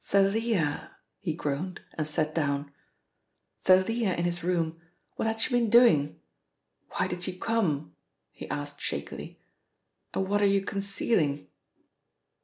"Thalia!" he groaned, and sat down. "Thalia in his room! What had she been doing? Why did you come?" he asked shakily, "and what are you concealing?"